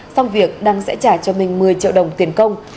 xong việc đăng sẽ trả cho mình một mươi triệu đồng tiền công